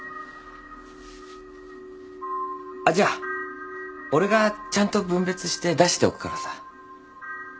あっじゃ俺がちゃんと分別して出しておくからさ。